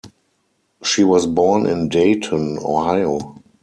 She was born in Dayton, Ohio.